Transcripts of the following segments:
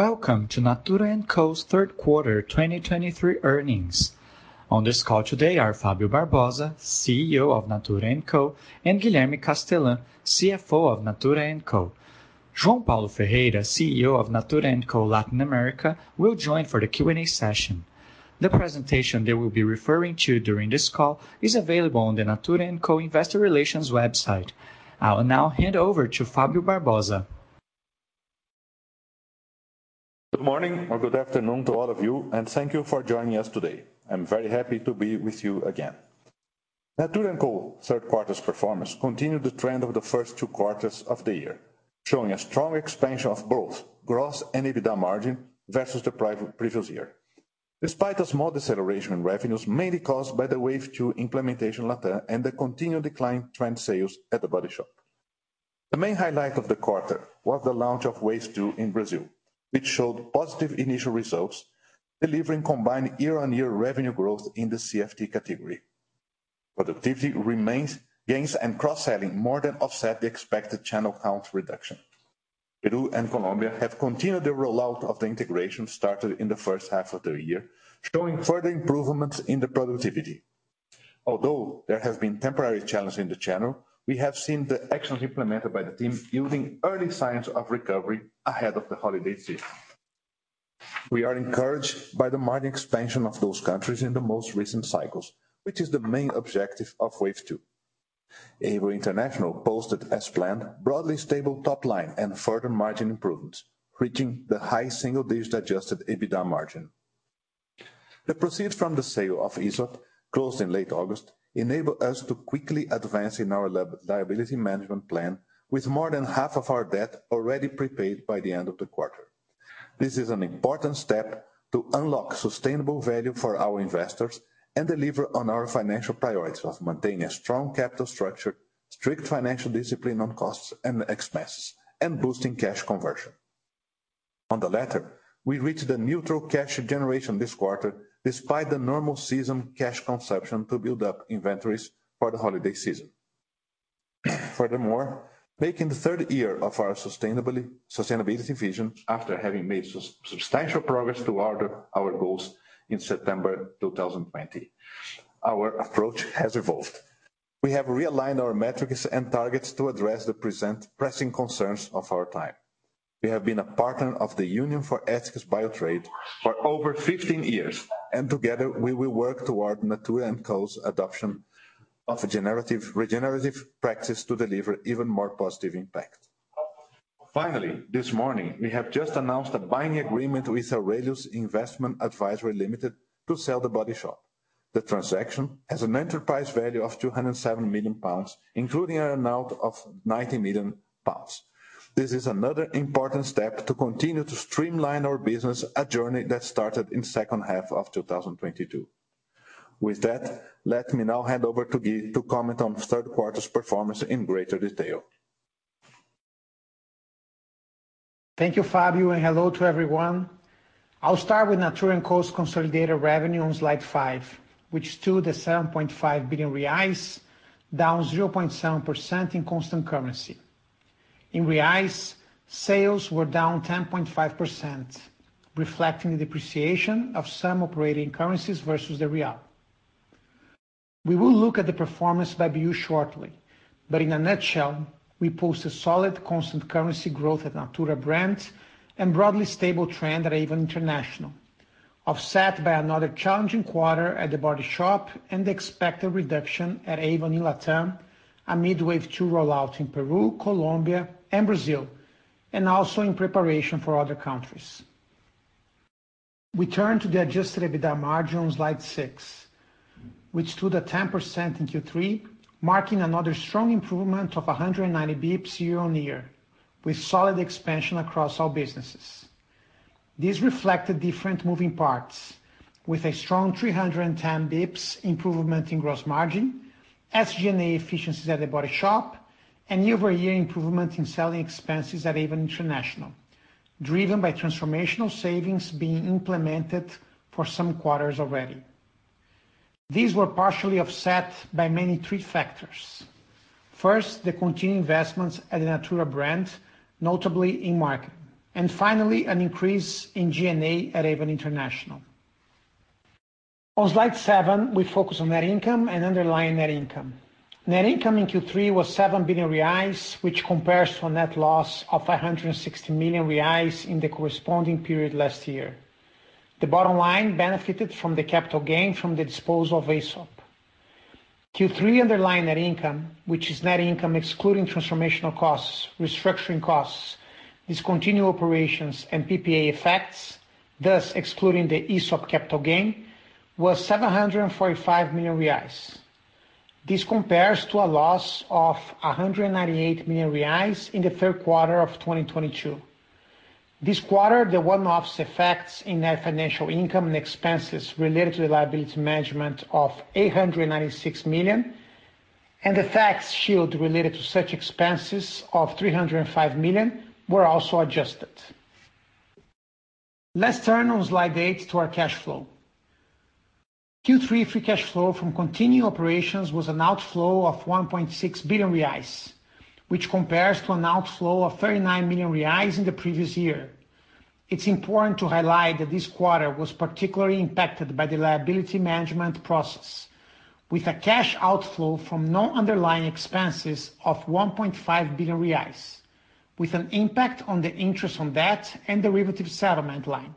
Welcome to Natura &Co's third quarter 2023 earnings. On this call today are Fábio Barbosa, CEO of Natura &Co, and Guilherme Castellan, CFO of Natura &Co. João Paulo Ferreira, CEO of Natura &Co Latin America, will join for the Q&A session. The presentation they will be referring to during this call is available on the Natura &Co Investor Relations website. I will now hand over to Fábio Barbosa. Good morning or good afternoon to all of you, and thank you for joining us today. I'm very happy to be with you again. Natura &Co third quarter's performance continued the trend of the first two quarters of the year, showing a strong expansion of both growth and EBITDA margin versus the previous year. Despite a small deceleration in revenues, mainly caused by the Wave 2 implementation later, and the continued decline trend sales at The Body Shop. The main highlight of the quarter was the launch of Wave 2 in Brazil, which showed positive initial results, delivering combined year-on-year revenue growth in the CFT category. Productivity gains remain and cross-selling more than offset the expected channel count reduction. Peru and Colombia have continued the rollout of the integration started in the first half of the year, showing further improvements in the productivity. Although there have been temporary challenges in the channel, we have seen the actions implemented by the team yielding early signs of recovery ahead of the holiday season. We are encouraged by the margin expansion of those countries in the most recent cycles, which is the main objective of Wave 2. Avon International posted as planned, broadly stable top line and further margin improvements, reaching the high single-digit adjusted EBITDA margin. The proceeds from the sale of Aesop, closed in late August, enabled us to quickly advance in our liability management plan, with more than half of our debt already prepaid by the end of the quarter. This is an important step to unlock sustainable value for our investors and deliver on our financial priorities of maintaining a strong capital structure, strict financial discipline on costs and expenses, and boosting cash conversion. On the latter, we reached a neutral cash generation this quarter, despite the normal seasonal cash consumption to build up inventories for the holiday season. Furthermore, marking the third year of our sustainability vision, after having made substantial progress toward our goals in September 2020, our approach has evolved. We have realigned our metrics and targets to address the present pressing concerns of our time. We have been a partner of the Union for Ethical BioTrade for over 15 years, and together, we will work toward Natura &Co's adoption of a regenerative practice to deliver even more positive impact. Finally, this morning, we have just announced a binding agreement with AURELIUS Investment Advisory Limited to sell The Body Shop. The transaction has an enterprise value of 207 million pounds, including an amount of 90 million pounds. This is another important step to continue to streamline our business, a journey that started in second half of 2022. With that, let me now hand over to Gui to comment on the third quarter's performance in greater detail. Thank you, Fábio, and hello to everyone. I'll start with Natura &Co's consolidated revenue on slide five, which stood at 7.5 billion reais, down 0.7% in constant currency. In BRL, sales were down 10.5%, reflecting the depreciation of some operating currencies versus the real. We will look at the performance by BU shortly, but in a nutshell, we post a solid constant currency growth at Natura brand and broadly stable trend at Avon International, offset by another challenging quarter at The Body Shop and the expected reduction at Avon in LATAM, amid Wave 2 rollout in Peru, Colombia, and Brazil, and also in preparation for other countries. We turn to the adjusted EBITDA margin on slide six, which stood at 10% in Q3, marking another strong improvement of 190 basis points year-on-year, with solid expansion across all businesses. These reflected different moving parts, with a strong 310 basis points improvement in gross margin, SG&A efficiencies at The Body Shop, and year-over-year improvement in selling expenses at Avon International, driven by transformational savings being implemented for some quarters already. These were partially offset by mainly three factors. First, the continued investments at the Natura brand, notably in marketing. And finally, an increase in G&A at Avon International. On slide seven, we focus on net income and underlying net income. Net income in Q3 was 7 billion reais, which compares to a net loss of 160 million reais in the corresponding period last year. The bottom line benefited from the capital gain from the disposal of Aesop. Q3 underlying net income, which is net income excluding transformational costs, restructuring costs, discontinued operations, and PPA effects, thus excluding the Aesop capital gain, was 745 million reais. This compares to a loss of 198 million reais in the third quarter of 2022. This quarter, the one-off effects in their financial income and expenses related to the liability management of 896 million, and the tax shield related to such expenses of 305 million were also adjusted. Let's turn on slide eight to our cash flow. Q3 free cash flow from continuing operations was an outflow of 1.6 billion reais, which compares to an outflow of 39 million reais in the previous year. It's important to highlight that this quarter was particularly impacted by the liability management process, with a cash outflow from non-underlying expenses of 1.5 billion reais, with an impact on the interest on debt and derivative settlement line.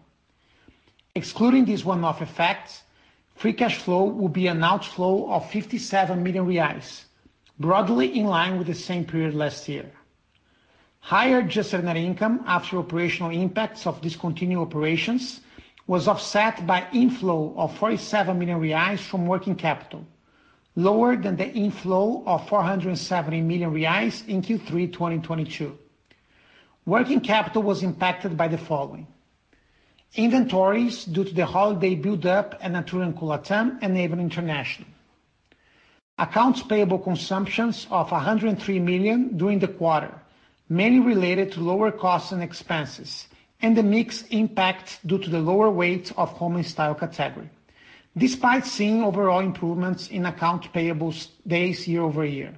Excluding these one-off effects, free cash flow will be an outflow of 57 million reais, broadly in line with the same period last year. Higher adjusted net income after operational impacts of discontinued operations was offset by inflow of 47 million reais from working capital, lower than the inflow of 470 million reais in Q3 2022. Working capital was impacted by the following: inventories due to the holiday build-up at Natura &Co LATAM and Avon International. Accounts payable consumptions of 103 million during the quarter, mainly related to lower costs and expenses, and the mix impact due to the lower weight of Home and Style category. Despite seeing overall improvements in accounts payable days year-over-year.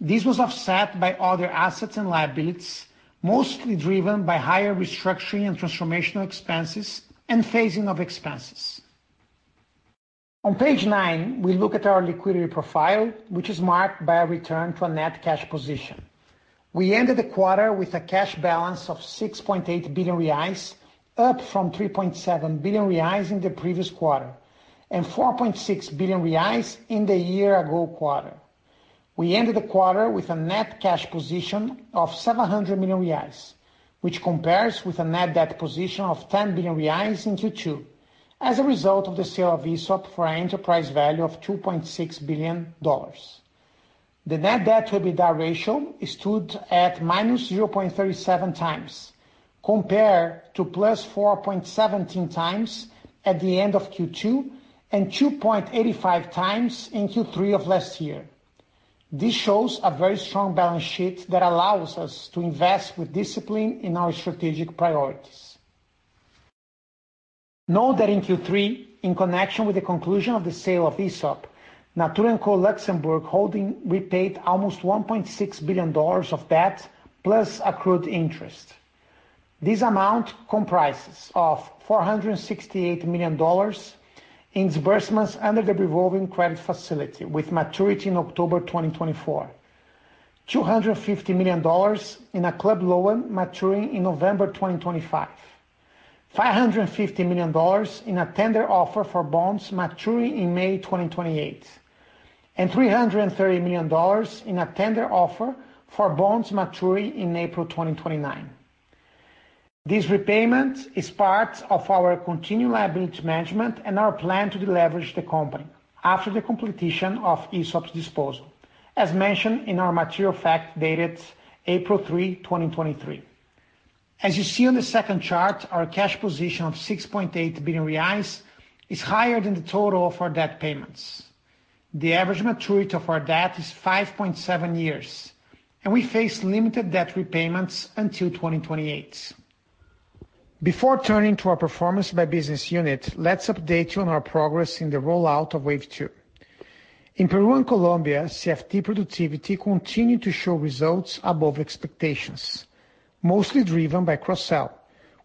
This was offset by other assets and liabilities, mostly driven by higher restructuring and transformational expenses and phasing of expenses. On page nine, we look at our liquidity profile, which is marked by a return to a net cash position. We ended the quarter with a cash balance of 6.8 billion reais, up from 3.7 billion reais in the previous quarter, and 4.6 billion reais in the year-ago quarter. We ended the quarter with a net cash position of 700 million reais, which compares with a net debt position of 10 billion reais in Q2, as a result of the sale of Aesop for enterprise value of $2.6 billion. The net debt to EBITDA ratio stood at -0.37x, compared to +4.17x at the end of Q2, and 2.85x in Q3 of last year. This shows a very strong balance sheet that allows us to invest with discipline in our strategic priorities. Note that in Q3, in connection with the conclusion of the sale of Aesop, Natura &Co Luxembourg Holding repaid almost $1.6 billion of debt, plus accrued interest. This amount comprises of $468 million in disbursements under the revolving credit facility with maturity in October 2024, $250 million in a club loan maturing in November 2025, $550 million in a tender offer for bonds maturing in May 2028, and $330 million in a tender offer for bonds maturing in April 2029. This repayment is part of our continued liability management and our plan to deleverage the company after the completion of Aesop's disposal, as mentioned in our material fact, dated April 3, 2023. As you see on the second chart, our cash position of 6.8 billion reais is higher than the total of our debt payments. The average maturity of our debt is 5.7 years, and we face limited debt repayments until 2028. Before turning to our performance by business unit, let's update you on our progress in the rollout of Wave 2. In Peru and Colombia, CFT productivity continued to show results above expectations, mostly driven by cross-sell,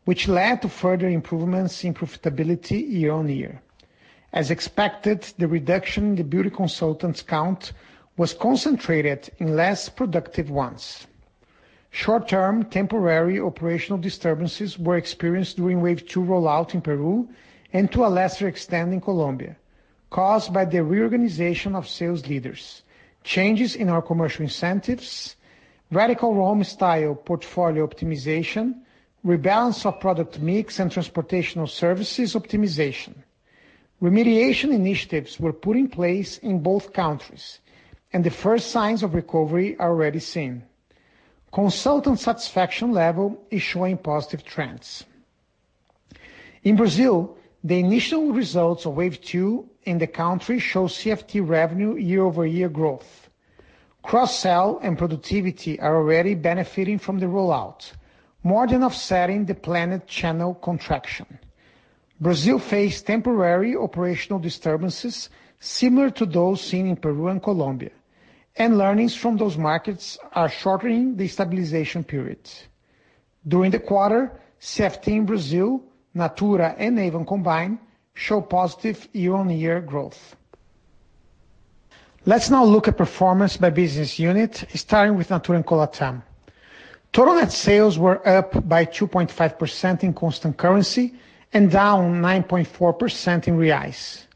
which led to further improvements in profitability year-on-year. As expected, the reduction in the Beauty Consultants count was concentrated in less productive ones. Short-term, temporary operational disturbances were experienced during Wave 2 rollout in Peru, and to a lesser extent in Colombia, caused by the reorganization of sales leaders, changes in our commercial incentives, radical Home and Style portfolio optimization, rebalance of product mix, and transportation services optimization. Remediation initiatives were put in place in both countries, and the first signs of recovery are already seen. Consultant satisfaction level is showing positive trends. In Brazil, the initial results of Wave 2 in the country show CFT revenue year-over-year growth. Cross-sell and productivity are already benefiting from the rollout, more than offsetting the planned channel contraction. Brazil faced temporary operational disturbances similar to those seen in Peru and Colombia, and learnings from those markets are shortening the stabilization periods. During the quarter, CFT in Brazil, Natura and Avon combined, show positive year-over-year growth. Let's now look at performance by business unit, starting with Natura &Co LATAM. Total net sales were up by 2.5% in constant currency and down 9.4% in reais.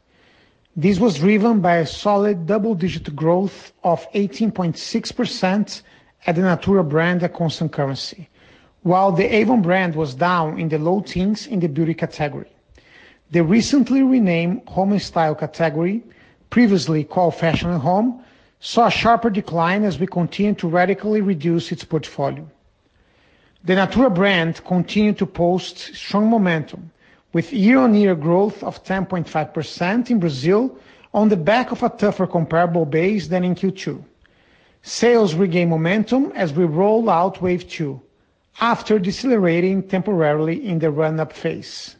This was driven by a solid double-digit growth of 18.6% at the Natura brand at constant currency, while the Avon brand was down in the low teens in the Beauty category. The recently renamed Home and Style category, previously called Fashion and Home, saw a sharper decline as we continue to radically reduce its portfolio. The Natura brand continued to post strong momentum with year-on-year growth of 10.5% in Brazil on the back of a tougher comparable base than in Q2. Sales regain momentum as we roll out Wave 2, after decelerating temporarily in the run-up phase.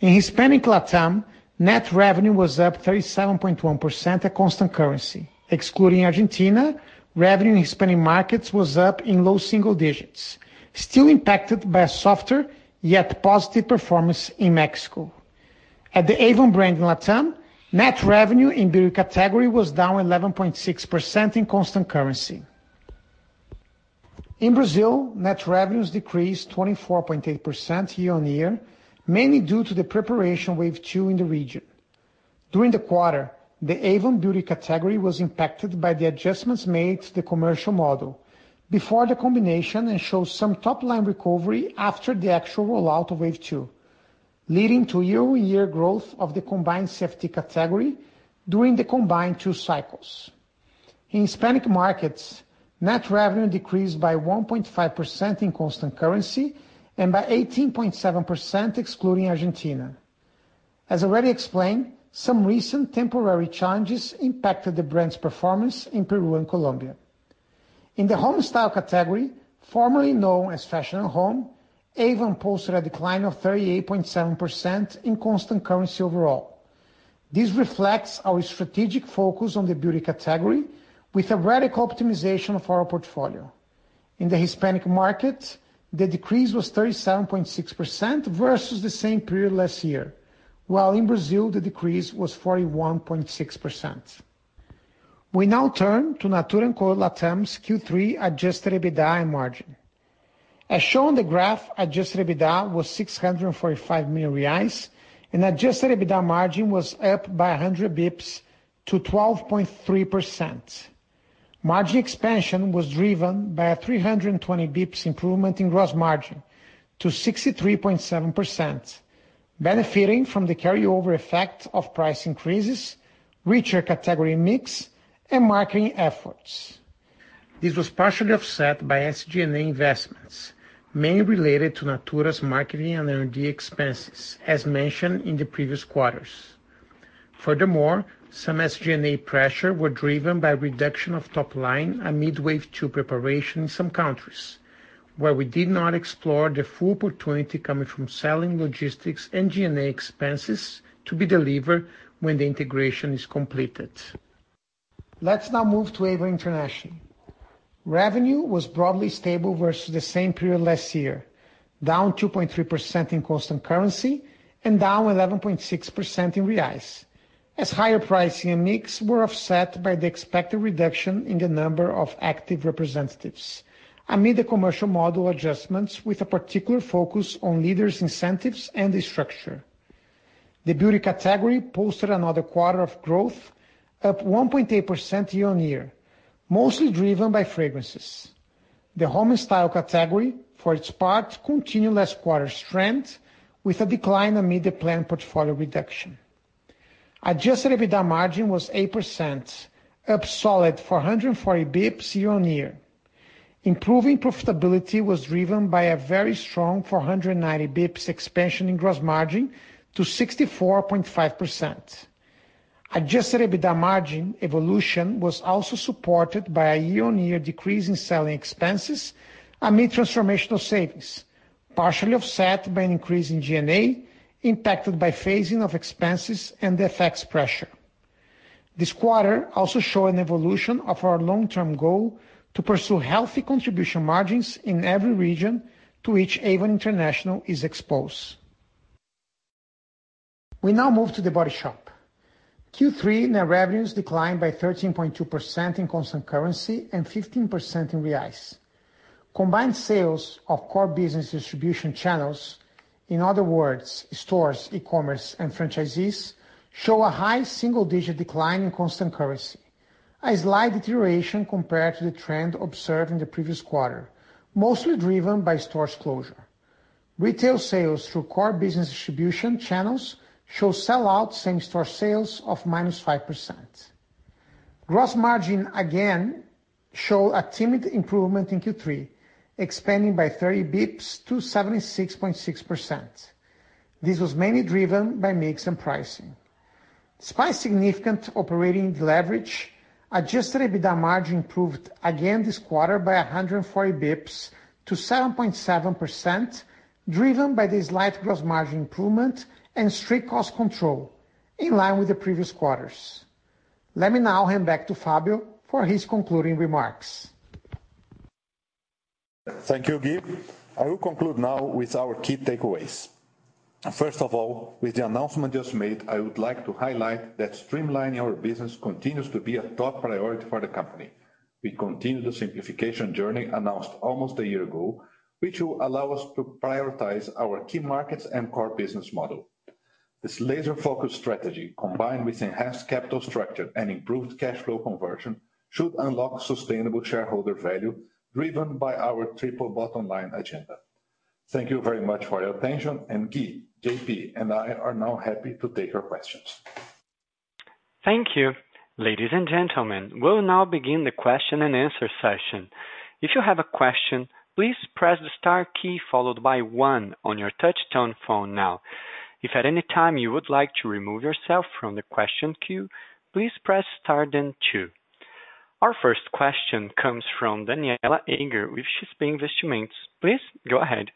In Hispanic LATAM, net revenue was up 37.1% at constant currency, excluding Argentina, revenue in Hispanic markets was up in low single digits, still impacted by a softer, yet positive performance in Mexico. At the Avon brand in LATAM, net revenue in Beauty category was down 11.6% in constant currency. In Brazil, net revenues decreased 24.8% year-on-year, mainly due to the preparation Wave 2 in the region. During the quarter, the Avon Beauty category was impacted by the adjustments made to the commercial model before the combination, and showed some top-line recovery after the actual rollout of Wave 2, leading to year-on-year growth of the combined Beauty category during the combined two cycles. In Hispanic markets, net revenue decreased by 1.5% in constant currency, and by 18.7%, excluding Argentina. As already explained, some recent temporary challenges impacted the brand's performance in Peru and Colombia. In the Home Style category, formerly known as Fashion Home, Avon posted a decline of 38.7% in constant currency overall. This reflects our strategic focus on the Beauty category, with a radical optimization of our portfolio. In the Hispanic market, the decrease was 37.6% versus the same period last year, while in Brazil, the decrease was 41.6%. We now turn to Natura &Co LATAM's Q3 adjusted EBITDA and margin. As shown in the graph, adjusted EBITDA was 645 million reais, and Adjusted EBITDA margin was up by 100 basis points to 12.3%. Margin expansion was driven by a 320 basis points improvement in gross margin to 63.7%, benefiting from the carryover effect of price increases, richer category mix, and marketing efforts. This was partially offset by SG&A investments, mainly related to Natura's marketing and R&D expenses, as mentioned in the previous quarters. Furthermore, some SG&A pressure were driven by reduction of top line amid Wave 2 preparation in some countries, where we did not explore the full opportunity coming from selling logistics and G&A expenses to be delivered when the integration is completed. Let's now move to Avon International. Revenue was broadly stable versus the same period last year, down 2.3% in constant currency and down 11.6% in reais, as higher pricing and mix were offset by the expected reduction in the number of active representatives, amid the commercial model adjustments, with a particular focus on leaders' incentives and the structure. The Beauty category posted another quarter of growth, up 1.8% year-on-year, mostly driven by fragrances. The Home and Style category, for its part, continued last quarter's trend, with a decline amid the planned portfolio reduction. Adjusted EBITDA margin was 8%, up solid 440 basis points year-on-year. Improving profitability was driven by a very strong 490 basis points expansion in gross margin to 64.5%. Adjusted EBITDA margin evolution was also supported by a year-on-year decrease in selling expenses amid transformational savings, partially offset by an increase in G&A, impacted by phasing of expenses and the FX pressure. This quarter also show an evolution of our long-term goal to pursue healthy contribution margins in every region to which Avon International is exposed. We now move to The Body Shop. Q3, net revenues declined by 13.2% in constant currency and 15% in reais. Combined sales of core business distribution channels, in other words, stores, e-commerce, and franchisees, show a high single-digit decline in constant currency, a slight deterioration compared to the trend observed in the previous quarter, mostly driven by stores closure. Retail sales through core business distribution channels show sell-out same-store sales of -5%. Gross margin, again, shows a timid improvement in Q3, expanding by 30 basis points to 76.6%. This was mainly driven by mix and pricing. Despite significant operating leverage, Adjusted EBITDA margin improved again this quarter by 140 basis points to 7.7%, driven by the slight gross margin improvement and strict cost control, in line with the previous quarters. Let me now hand back to Fábio for his concluding remarks. Thank you, Gui. I will conclude now with our key takeaways. First of all, with the announcement just made, I would like to highlight that streamlining our business continues to be a top priority for the company. We continue the simplification journey announced almost a year ago, which will allow us to prioritize our key markets and core business model. This laser-focused strategy, combined with enhanced capital structure and improved cash flow conversion, should unlock sustainable shareholder value, driven by our triple bottom line agenda. Thank you very much for your attention, and Gui, JP, and I are now happy to take your questions. Thank you. Ladies and gentlemen, we'll now begin the question-and-answer session. If you have a question, please press the star key, followed by one on your touch-tone phone now. If at any time you would like to remove yourself from the question queue, please press star, then two. Our first question comes from Danniela Eiger, with XP Investimentos. Please go ahead.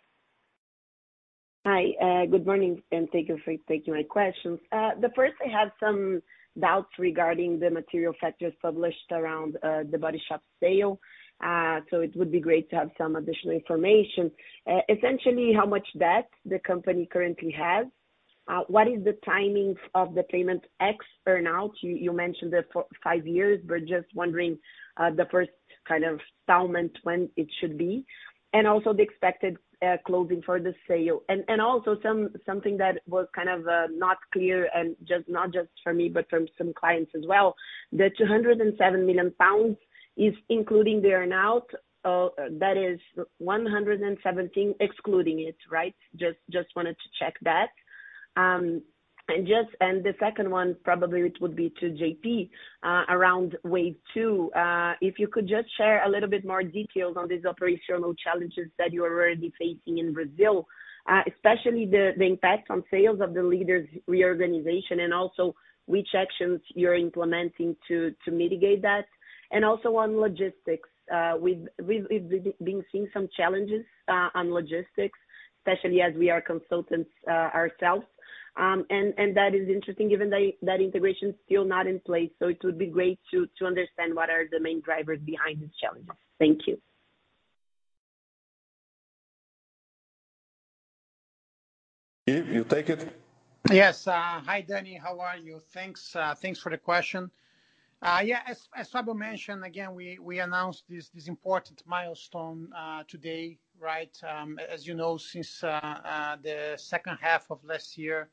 Hi, good morning, and thank you for taking my questions. The first, I have some doubts regarding the material factors published around The Body Shop sale. So it would be great to have some additional information. Essentially, how much debt the company currently has? What is the timing of the payment X earn-out? You mentioned the five years, but just wondering the first kind of installment, when it should be, and also the expected closing for the sale. And also something that was kind of not clear, and just not just for me, but from some clients as well, the 207 million pounds is including the earn-out that is 117 million, excluding it, right? Just wanted to check that. And the second one, probably it would be to JP, around Wave 2. If you could just share a little bit more details on these operational challenges that you are already facing in Brazil, especially the impact on sales of the leaders reorganization, and also which actions you're implementing to mitigate that. And also on logistics, we've been seeing some challenges on logistics, especially as we are consultants ourselves. And that is interesting, given that integration is still not in place, so it would be great to understand what are the main drivers behind this challenge. Thank you. Gui, you take it? Yes. Hi, Danny. How are you? Thanks, thanks for the question. Yeah, as Fábio mentioned, again, we announced this important milestone today, right? As you know, since the second half of last year,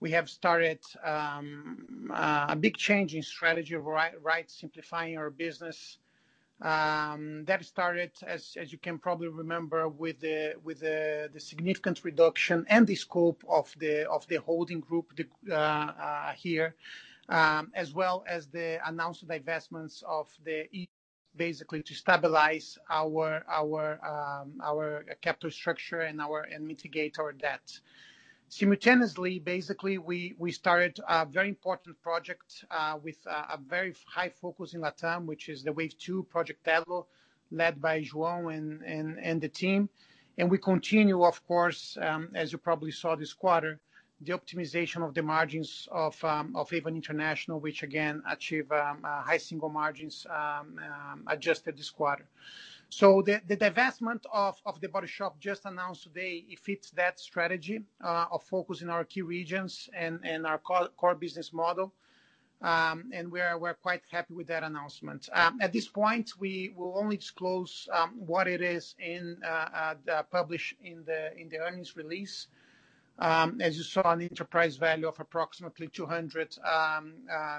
we have started a big change in strategy, right, simplifying our business. That started, as you can probably remember, with the significant reduction in the scope of the holding group here, as well as the announced divestments of the, basically, to stabilize our capital structure and mitigate our debt. Simultaneously, basically, we started a very important project with very high focus in LATAM, which is the Wave 2 Project ELO, led by João and the team. We continue, of course, as you probably saw this quarter, the optimization of the margins of Avon International, which again achieve high single margins, adjusted this quarter. So the divestment of The Body Shop just announced today, it fits that strategy of focusing our key regions and our core business model. And we are, we're quite happy with that announcement. At this point, we will only disclose what it is in the published in the earnings release. As you saw, an enterprise value of approximately 200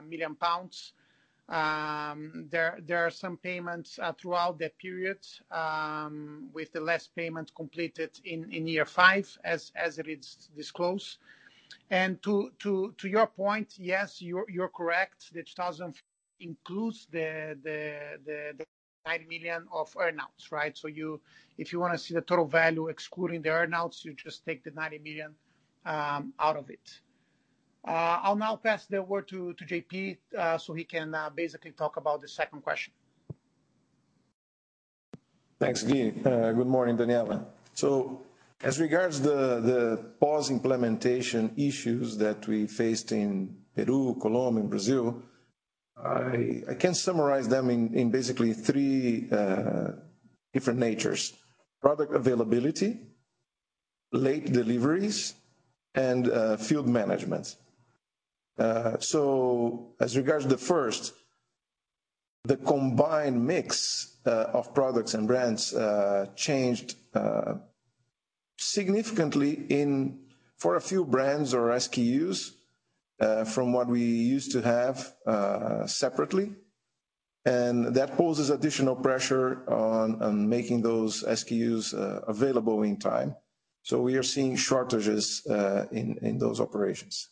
million pounds. There are some payments throughout the period, with the last payment completed in year five, as it is disclosed. And to your point, yes, you're correct. The 2,000 million includes the 90 million of earn-outs, right? So if you wanna see the total value, excluding the earn-outs, you just take the 90 million out of it. I'll now pass the word to JP, so he can basically talk about the second question. Thanks, Gui. Good morning, Danniela. So as regards the pause implementation issues that we faced in Peru, Colombia, and Brazil, I can summarize them in basically three different natures: product availability, late deliveries, and field management. So as regards to the first, the combined mix of products and brands changed significantly for a few brands or SKUs from what we used to have separately, and that poses additional pressure on making those SKUs available in time. So we are seeing shortages in those operations.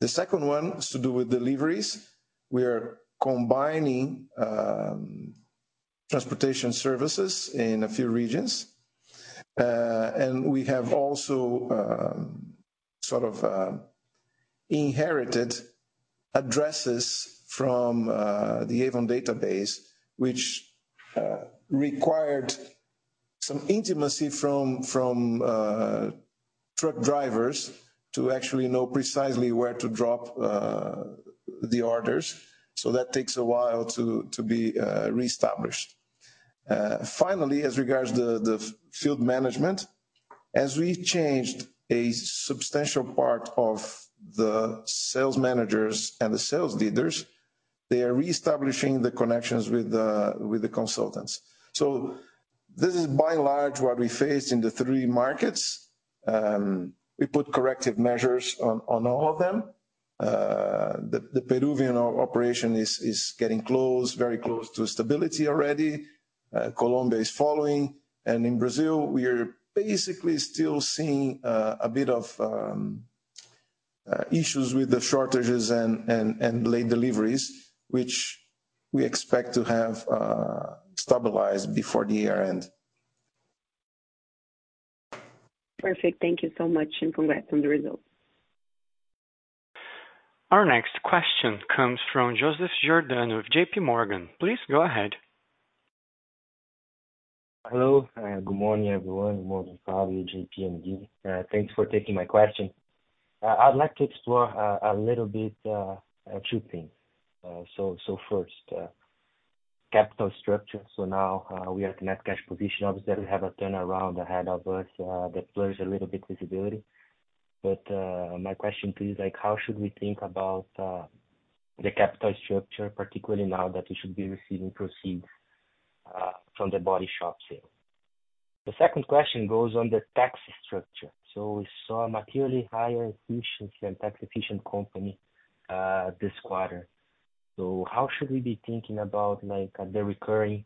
The second one is to do with deliveries. We are combining transportation services in a few regions, and we have also sort of inherited addresses from the Avon database, which required some intimacy from truck drivers to actually know precisely where to drop the orders. So that takes a while to be reestablished. Finally, as regards to the field management, as we've changed a substantial part of the sales managers and the sales leaders, they are reestablishing the connections with the consultants. So this is by and large what we face in the three markets. We put corrective measures on all of them. The Peruvian operation is getting close, very close to stability already. Colombia is following, and in Brazil, we are basically still seeing a bit ofissues with the shortages and late deliveries, which we expect to have stabilized before the year end. Perfect. Thank you so much, and congrats on the results. Our next question comes from Joseph Giordano with JPMorgan. Please go ahead. Hello, good morning, everyone. Good morning, Fábio, JP, and Gui. Thanks for taking my question. I'd like to explore a little bit two things. So first, capital structure. So now, we are at net cash position. Obviously, we have a turnaround ahead of us that blurs a little bit visibility. But my question to you is, like, how should we think about the capital structure, particularly now that we should be receiving proceeds from The Body Shop sale? The second question goes on the tax structure. So we saw a materially higher efficiency and tax-efficient company this quarter. So how should we be thinking about, like, the recurring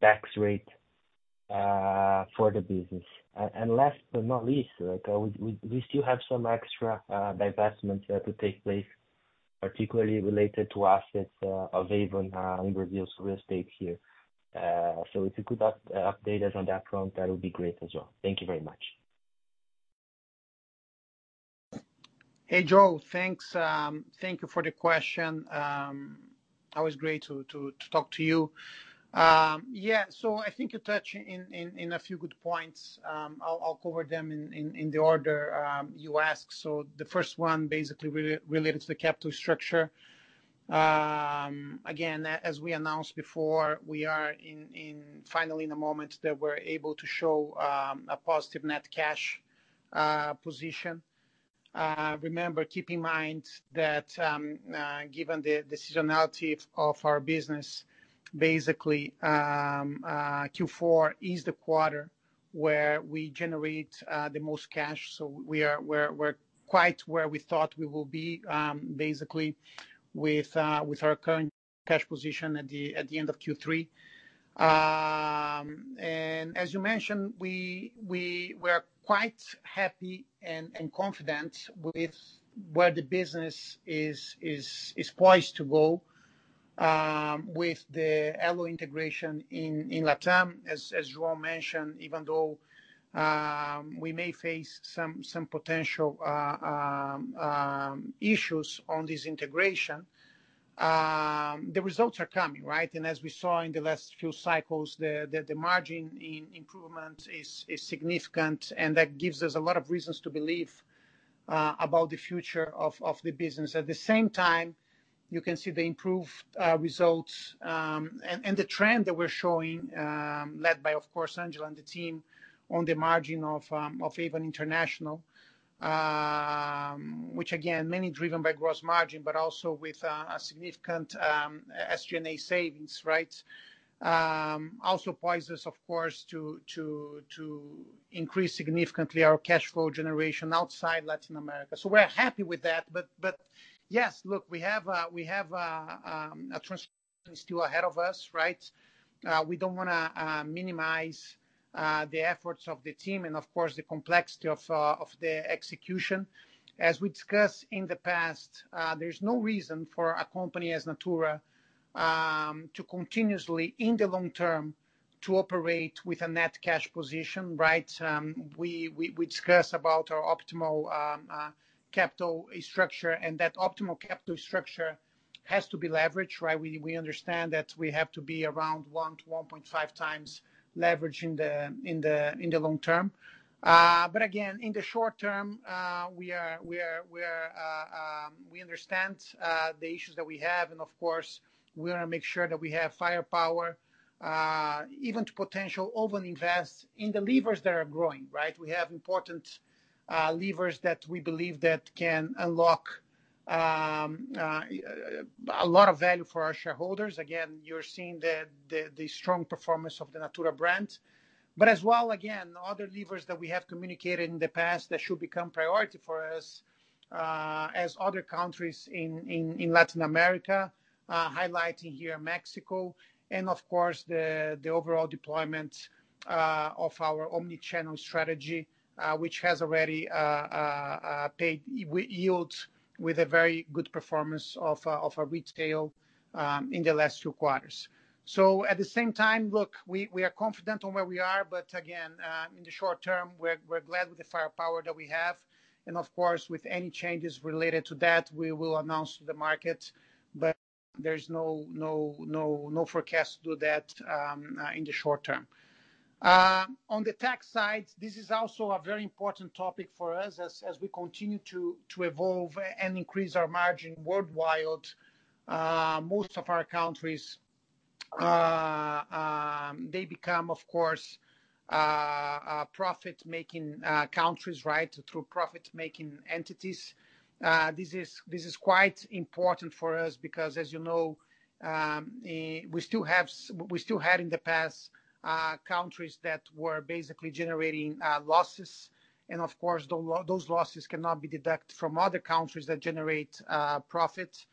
tax rate for the business? Last but not least, like, we still have some extra divestments to take place, particularly related to assets available in Brazil's real estate here. So if you could update us on that front, that would be great as well. Thank you very much. Hey, Joe. Thanks, thank you for the question. Always great to talk to you. Yeah, so I think you touch in a few good points. I'll cover them in the order you asked. So the first one, basically, related to the capital structure. Again, as we announced before, we are finally in a moment that we're able to show a positive net cash position. Remember, keep in mind that, given the seasonality of our business, basically, Q4 is the quarter where we generate the most cash, so we're quite where we thought we will be, basically with our current cash position at the end of Q3. And as you mentioned, we are quite happy and confident with where the business is poised to go, with the ELO integration in LATAM. As João mentioned, even though we may face some potential issues on this integration, the results are coming, right? And as we saw in the last few cycles, the margin improvement is significant, and that gives us a lot of reasons to believe about the future of the business. At the same time, you can see the improved results and the trend that we're showing, led by, of course, Angela and the team on the margin of Avon International, which again, mainly driven by gross margin, but also with a significant SG&A savings, right? Also poise us, of course, to increase significantly our cash flow generation outside Latin America. So we're happy with that. But yes, look, we have a transformation still ahead of us, right? We don't wanna minimize the efforts of the team and, of course, the complexity of the execution. As we discussed in the past, there's no reason for a company as Natura to continuously, in the long term, to operate with a net cash position, right? We discuss about our optimal capital structure, and that optimal capital structure has to be leveraged, right? We understand that we have to be around 1x-1.5x leverage in the long term. But again, in the short term, we are, we understand the issues that we have, and of course, we wanna make sure that we have firepower, even to potentially over-invest in the levers that are growing, right? We have important levers that we believe that can unlock a lot of value for our shareholders. Again, you're seeing the strong performance of the Natura brand. But as well, again, other levers that we have communicated in the past that should become priority for us, as other countries in Latin America, highlighting here Mexico, and of course, the overall deployment of our omnichannel strategy, which has already paid yields with a very good performance of our retail in the last two quarters. So at the same time, look, we are confident on where we are, but again, in the short term, we're glad with the firepower that we have, and of course, with any changes related to that, we will announce the market. But there's no forecast to do that in the short term. On the tax side, this is also a very important topic for us as we continue to evolve and increase our margin worldwide. Most of our countries, they become, of course, a profit-making countries, right, through profit-making entities. This is quite important for us because, as you know, we still had in the past countries that were basically generating losses, and of course, those losses cannot be deducted from other countries that generate profit.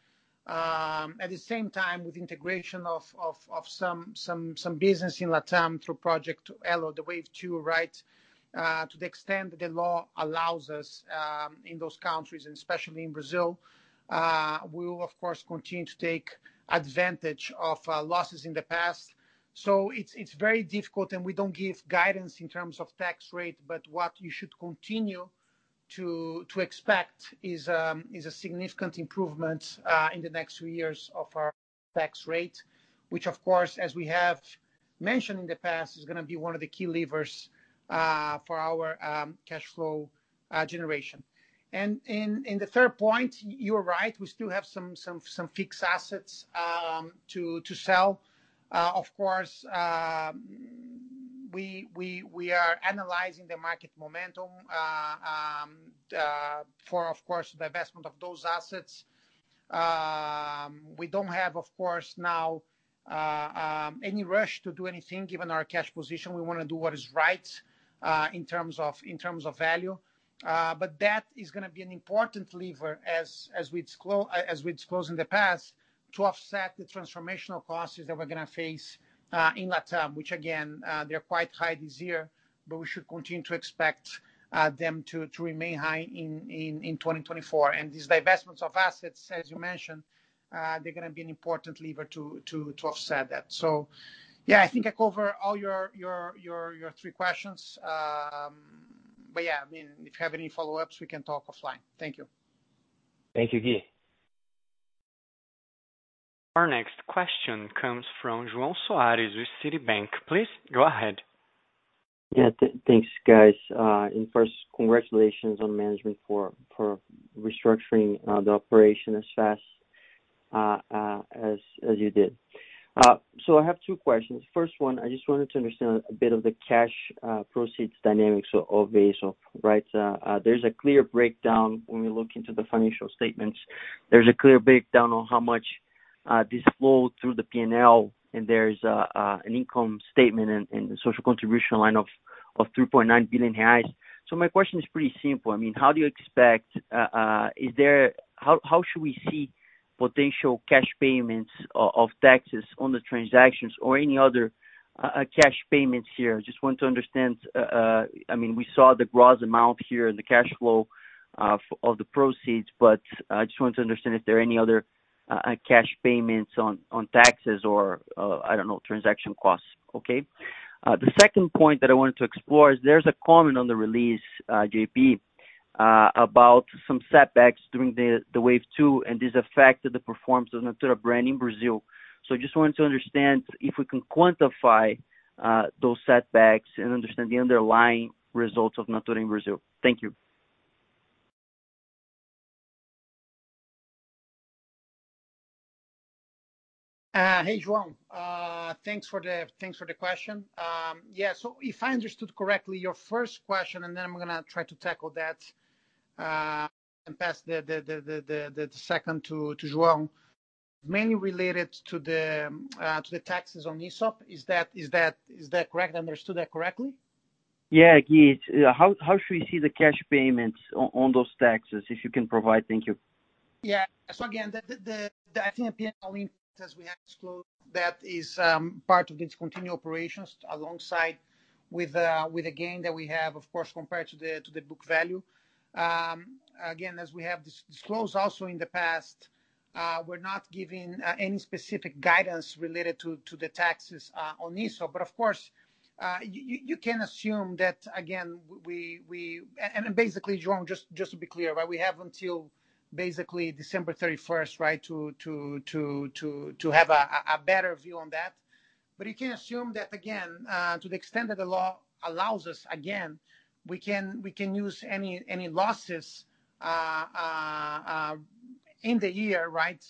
At the same time, with integration of some business in LATAM through Project ELO, the Wave 2, right? To the extent that the law allows us, in those countries, and especially in Brazil, we will, of course, continue to take advantage of losses in the past. So it's very difficult, and we don't give guidance in terms of tax rate, but what you should continue to expect is a significant improvement in the next two years of our tax rate, which, of course, as we have mentioned in the past, is gonna be one of the key levers for our cash flow generation. And the third point, you are right, we still have some fixed assets to sell. Of course, we are analyzing the market momentum for, of course, the investment of those assets. We don't have, of course, now any rush to do anything, given our cash position. We wanna do what is right in terms of value. But that is gonna be an important lever as we disclose in the past, to offset the transformational costs that we're gonna face in LATAM, which, again, they're quite high this year, but we should continue to expect them to remain high in 2024. And these divestments of assets, as you mentioned, they're gonna be an important lever to offset that. So, yeah, I think I covered all your three questions. But, yeah, I mean, if you have any follow-ups, we can talk offline. Thank you. Thank you, Gui. Our next question comes from João Soares with Citibank. Please go ahead. Yeah, thanks, guys. And first, congratulations on management for restructuring the operation as fast as you did. So I have two questions. First one, I just wanted to understand a bit of the cash proceeds dynamics of Aesop, right? There's a clear breakdown when we look into the financial statements. There's a clear breakdown on how much this flowed through the P&L, and there's an income statement and the social contribution line of 3.9 billion reais. So my question is pretty simple: I mean, how do you expect... How should we see potential cash payments of taxes on the transactions or any other cash payments here? I just want to understand, I mean, we saw the gross amount here and the cash flow of the proceeds, but I just want to understand if there are any other cash payments on taxes or, I don't know, transaction costs. Okay? The second point that I wanted to explore is, there's a comment on the release, JP, about some setbacks during the Wave 2, and this affected the performance of Natura brand in Brazil. So I just wanted to understand if we can quantify those setbacks and understand the underlying results of Natura in Brazil. Thank you. Hey, João. Thanks for the question. Yeah, so if I understood correctly, your first question, and then I'm gonna try to tackle that, and pass the second to João. Mainly related to the taxes on Aesop. Is that correct? I understood that correctly? Yeah, Gui, how should we see the cash payments on those taxes, if you can provide? Thank you. Yeah. So again, I think the P&L impact, as we have disclosed, that is part of the discontinued operations, alongside with the gain that we have, of course, compared to the book value. Again, as we have disclosed also in the past, we're not giving any specific guidance related to the taxes on Aesop. But of course, you can assume that again, we, and basically, João, just to be clear, right, we have until basically December 31st, right, to have a better view on that. But you can assume that again, to the extent that the law allows us, again, we can, we can use any, any losses in the year, right,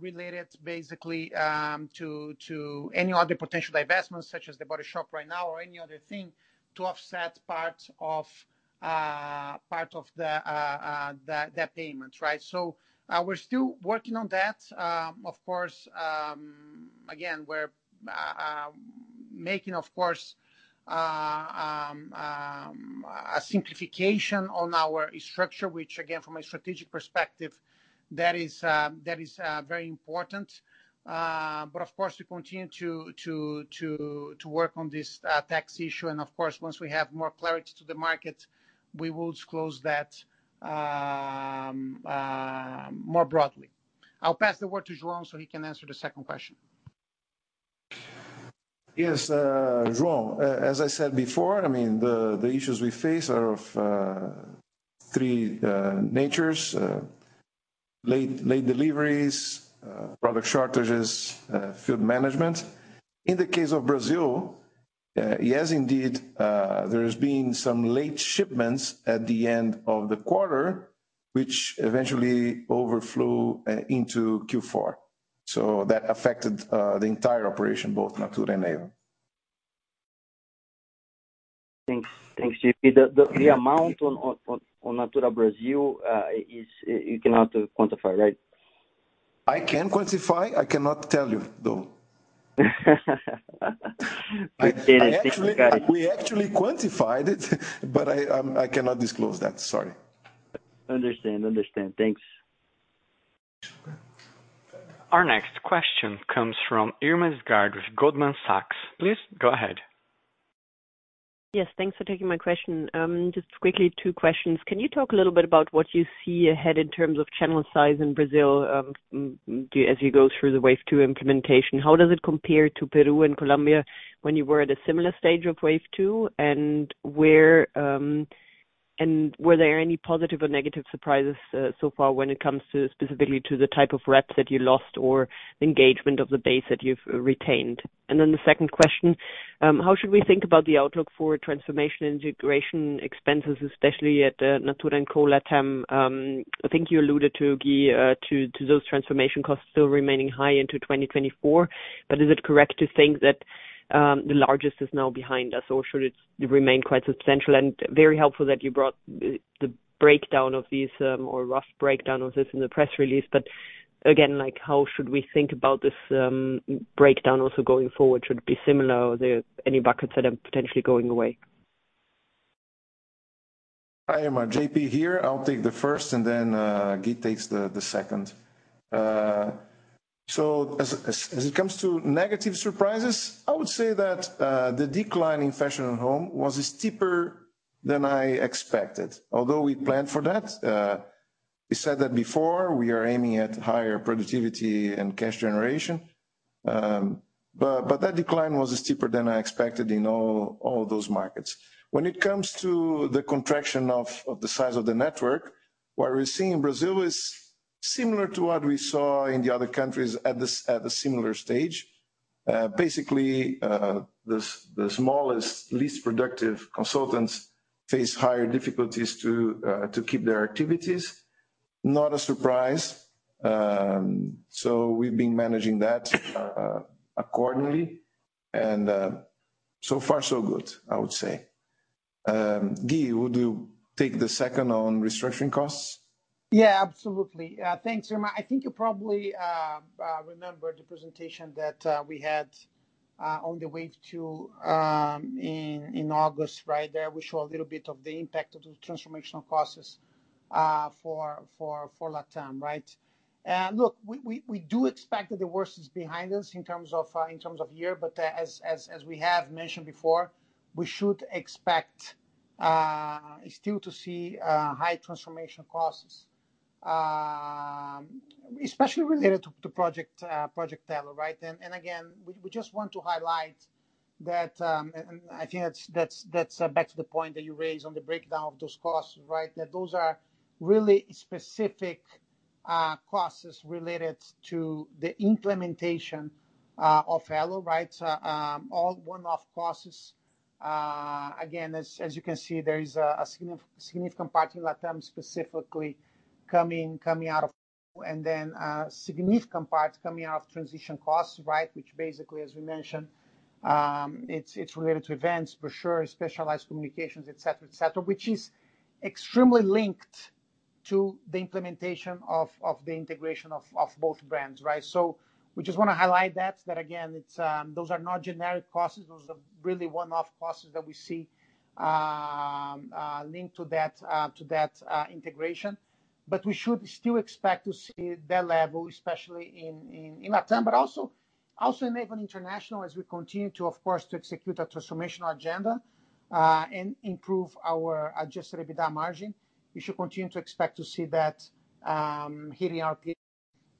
related basically to any other potential divestments, such as The Body Shop right now or any other thing, to offset part of, part of the, the payments, right? So, we're still working on that. Of course, again, we're making, of course, a simplification on our structure, which again, from a strategic perspective, that is, that is very important. But of course, we continue to work on this tax issue, and of course, once we have more clarity to the market, we will disclose that more broadly. I'll pass the word to João so he can answer the second question. Yes, João, as I said before, I mean, the issues we face are of three natures: late deliveries, product shortages, field management. In the case of Brazil, yes, indeed, there's been some late shipments at the end of the quarter, which eventually overflow into Q4. So that affected the entire operation, both Natura and Avon. Thanks. Thanks, JP. The amount on Natura Brazil is, you cannot quantify, right? I can quantify. I cannot tell you, though. I get it. Thanks, guys. We actually quantified it, but I cannot disclose that. Sorry. Understand. Understand. Thanks. Our next question comes from Irma Sgarz with Goldman Sachs. Please go ahead. Yes, thanks for taking my question. Just quickly, two questions: Can you talk a little bit about what you see ahead in terms of channel size in Brazil, as you go through the Wave 2 implementation? How does it compare to Peru and Colombia when you were at a similar stage of Wave 2, and where, and were there any positive or negative surprises, so far when it comes to, specifically to the type of reps that you lost or engagement of the base that you've retained? And then the second question, how should we think about the outlook for transformation integration expenses, especially at Natura &Co LATAM? I think you alluded ,to, Gui to those transformation costs still remaining high into 2024. But is it correct to think that, the largest is now behind us, or should it remain quite substantial? And very helpful that you brought, the breakdown of these, or rough breakdown of this in the press release. But again, like, how should we think about this, breakdown also going forward? Should it be similar, or are there any buckets that are potentially going away? Hi, Irma, JP here. I'll take the first and then Gui takes the second. So as it comes to negative surprises, I would say that the decline in fashion and home was steeper than I expected, although we planned for that. We said that before, we are aiming at higher productivity and cash generation. But that decline was steeper than I expected in all those markets. When it comes to the contraction of the size of the network, what we're seeing in Brazil is similar to what we saw in the other countries at a similar stage. Basically, the smallest, least productive consultants face higher difficulties to keep their activities. Not a surprise. So we've been managing that accordingly, and so far, so good, I would say. Gui, would you take the second on restructuring costs? Yeah, absolutely. Thanks, Irma. I think you probably remember the presentation that we had on the Wave 2 in August, right? There we show a little bit of the impact of the transformational costs for LATAM, right? Look, we do expect that the worst is behind us in terms of year, but as we have mentioned before, we should expect still to see high transformation costs, especially related to Project ELO, right? And again, we just want to highlight that, and I think that's back to the point that you raised on the breakdown of those costs, right? That those are really specific costs related to the implementation of ELO, right? So, all one-off costs. Again, as you can see, there is a significant part in LATAM, specifically coming out of, and then significant parts coming out of transition costs, right? Which basically, as we mentioned, it's related to events, for sure, specialized communications, et cetera, et cetera, which is extremely linked to the implementation of the integration of both brands, right? So we just wanna highlight that again, it's those are not generic costs. Those are really one-off costs that we see linked to that integration. But we should still expect to see that level, especially in LATAM, but also in Avon International, as we continue, of course, to execute our transformational agenda and improve our adjusted EBITDA margin. We should continue to expect to see that, hitting our peak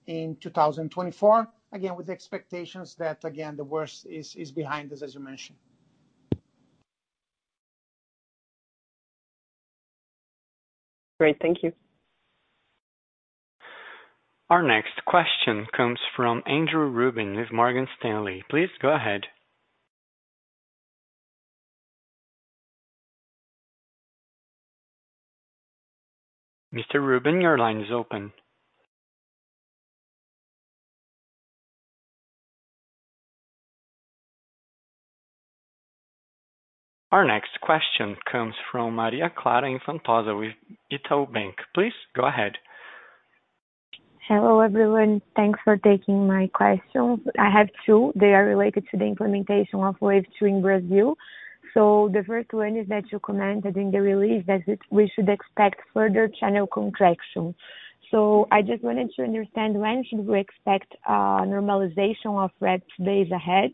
in 2024. Again, with the expectations that, again, the worst is behind us, as you mentioned. Great. Thank you. Our next question comes from Andrew Ruben with Morgan Stanley. Please go ahead. Mr. Rubin, your line is open. Our next question comes from Maria Clara Infantozzi with Itaú BBA. Please go ahead. Hello, everyone. Thanks for taking my questions. I have two. They are related to the implementation of Wave 2 in Brazil. So the first one is that you commented in the release that we should expect further channel contraction. So I just wanted to understand, when should we expect a normalization of reps days ahead?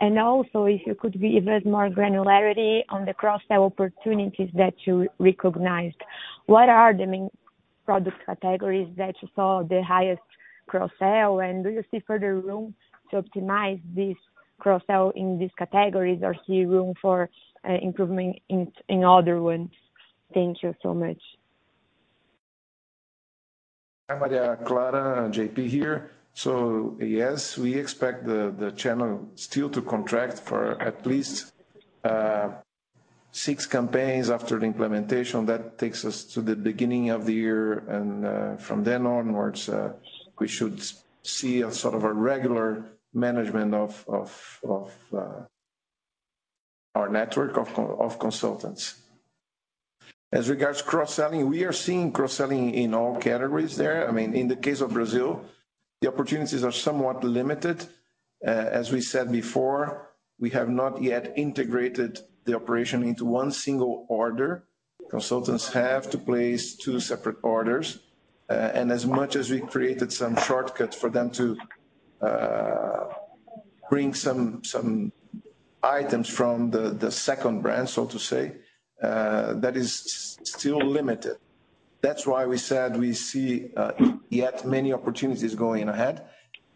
And also, if you could give us more granularity on the cross-sell opportunities that you recognized. What are the main product categories that you saw the highest cross-sell? And do you see further room to optimize this cross-sell in these categories, or see room for improvement in other ones? Thank you so much. Hi, Maria Clara, JP here. So yes, we expect the channel still to contract for at least six campaigns after the implementation. That takes us to the beginning of the year, and from then onwards, we should see a sort of a regular management of our network of consultants. As regards to cross-selling, we are seeing cross-selling in all categories there. I mean, in the case of Brazil, the opportunities are somewhat limited. As we said before, we have not yet integrated the operation into one single order. Consultants have to place two separate orders. And as much as we created some shortcuts for them to bring some items from the second brand, so to say, that is still limited. That's why we said we see yet many opportunities going ahead,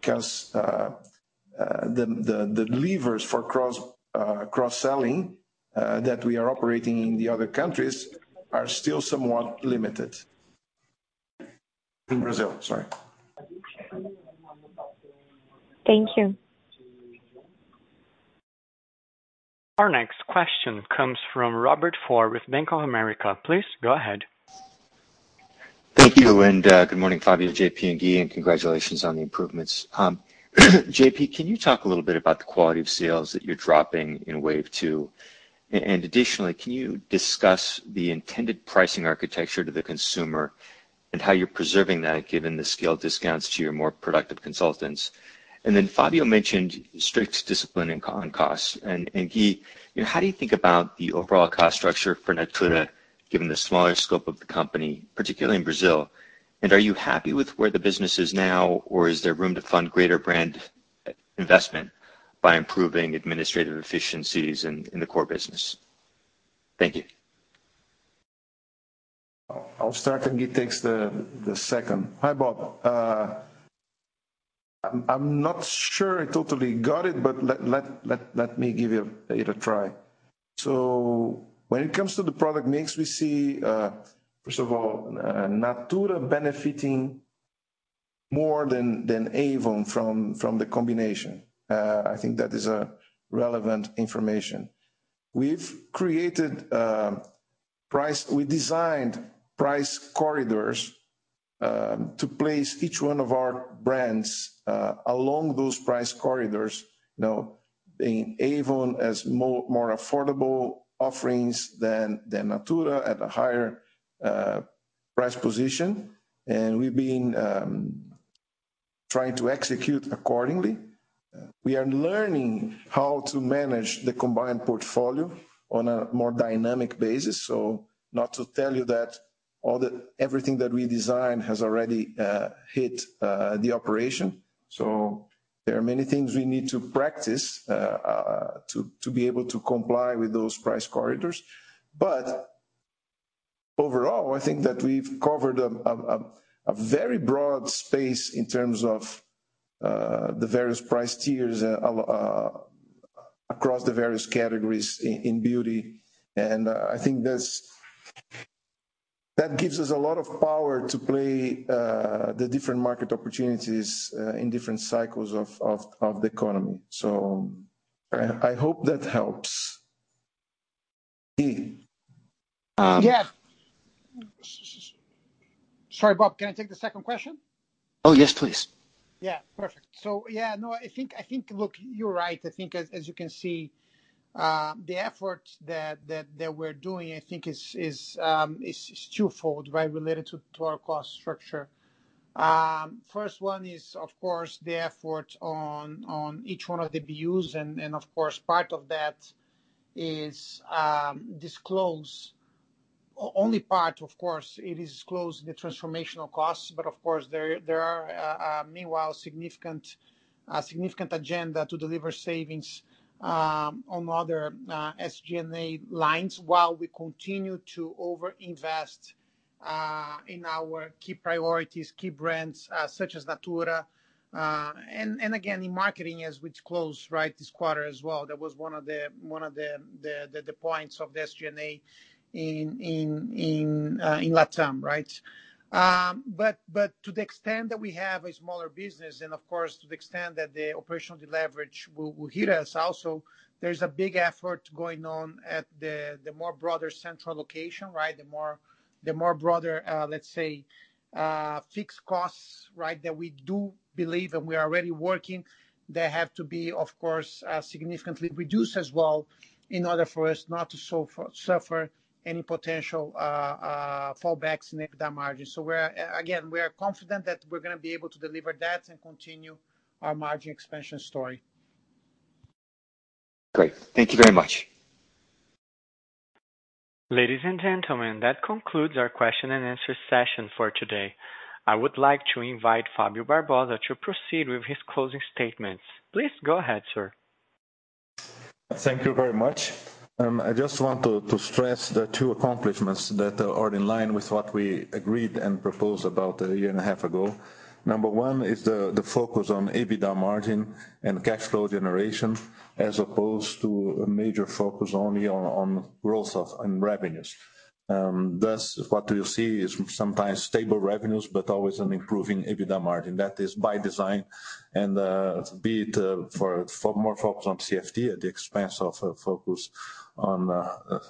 'cause the levers for cross-selling that we are operating in the other countries are still somewhat limited. In Brazil, sorry. Thank you. Our next question comes from Robert Ford with Bank of America. Please go ahead. Thank you, and good morning, Fábio, JP, and Gui, and congratulations on the improvements. JP, can you talk a little bit about the quality of sales that you're dropping in Wave 2? And additionally, can you discuss the intended pricing architecture to the consumer, and how you're preserving that, given the scale discounts to your more productive consultants? And then Fábio mentioned strict discipline on costs. And Gui, you know, how do you think about the overall cost structure for Natura, given the smaller scope of the company, particularly in Brazil? And are you happy with where the business is now, or is there room to fund greater brand investment by improving administrative efficiencies in the core business? Thank you. I'll start, and Gui takes the second. Hi, Bob. I'm not sure I totally got it, but let me give it a try. So when it comes to the product mix, we see first of all Natura benefiting more than Avon from the combination. I think that is a relevant information. We've created price corridors to place each one of our brands along those price corridors. Now, in Avon as more affordable offerings than Natura at a higher price position. And we've been trying to execute accordingly. We are learning how to manage the combined portfolio on a more dynamic basis, so not to tell you that everything that we design has already hit the operation. So there are many things we need to practice to be able to comply with those price corridors. But overall, I think that we've covered a very broad space in terms of the various price tiers across the various categories in beauty. And I think that gives us a lot of power to play the different market opportunities in different cycles of the economy. So I hope that helps. Gui, Yeah. Sorry, Bob, can I take the second question? Oh, yes, please. Yeah. Perfect. So yeah, no, I think, I think, look, you're right. I think as you can see, the effort that we're doing, I think is twofold, right? Related to our cost structure. First one is, of course, the effort on each one of the BUs. And of course, part of that is only part, of course, it is disclosing the transformational costs, but of course, there are meanwhile a significant agenda to deliver savings on other SG&A lines, while we continue to overinvest in our key priorities, key brands, such as Natura. And again, in marketing, as we close this quarter as well, that was one of the points of the SG&A in LATAM, right? But to the extent that we have a smaller business, and of course, to the extent that the operational leverage will hit us also, there's a big effort going on at the broader central location, right? The broader, let's say, fixed costs, right, that we do believe and we are already working, they have to be, of course, significantly reduced as well in order for us not to suffer any potential fallbacks in EBITDA margins. So, again, we are confident that we're gonna be able to deliver that and continue our margin expansion story. Great. Thank you very much. Ladies and gentlemen, that concludes our question and answer session for today. I would like to invite Fábio Barbosa to proceed with his closing statements. Please go ahead, sir. Thank you very much. I just want to, to stress the two accomplishments that are in line with what we agreed and proposed about a year and a half ago. Number one is the focus on EBITDA margin and cash flow generation, as opposed to a major focus only on, on growth of, in revenues. Thus, what you'll see is sometimes stable revenues, but always an improving EBITDA margin. That is by design, and, be it, for more focus on CFT at the expense of a focus on,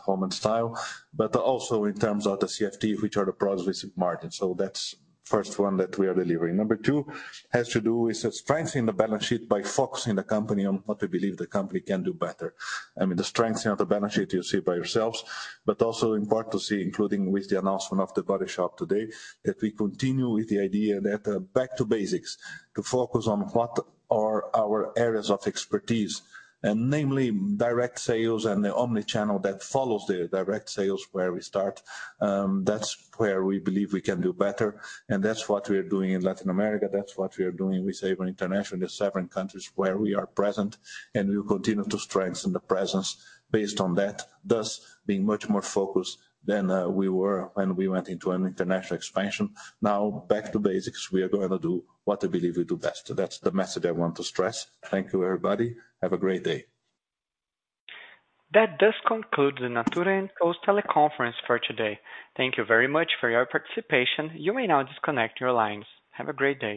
Home and Style, but also in terms of the CFT, which are the prospective margins. So that's first one that we are delivering. Number two, has to do with strengthening the balance sheet by focusing the company on what we believe the company can do better. I mean, the strengthening of the balance sheet, you see by yourselves, but also important to see, including with the announcement of The Body Shop today, that we continue with the idea that, back to basics, to focus on what are our areas of expertise, and namely, direct sales and the omni-channel that follows the direct sales where we start. That's where we believe we can do better, and that's what we're doing in Latin America. That's what we are doing with Avon International, the seven countries where we are present, and we will continue to strengthen the presence based on that, thus being much more focused than, we were when we went into an international expansion. Now, back to basics, we are gonna do what I believe we do best. So that's the message I want to stress. Thank you, everybody. Have a great day. That does conclude the Natura &Co's teleconference for today. Thank you very much for your participation. You may now disconnect your lines. Have a great day.